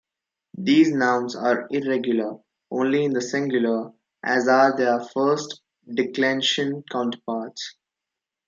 These nouns are irregular only in the singular, as are their first-declension counterparts.